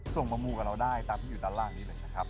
ส่งมามูกับเราได้ตามที่อยู่ด้านล่างนี้เลยนะครับ